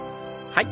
はい。